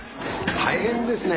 大変ですね。